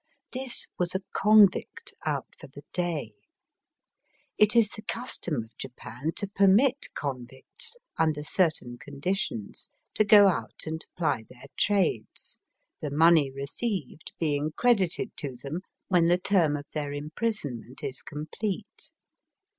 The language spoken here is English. This was a convict out for the day. It is the custom of Japan to permit convicts under certain conditions to go out and ply their trades, the money received being credited to them when the term of their imprisonment is complete.